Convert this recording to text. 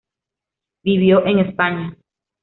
Vivió en España.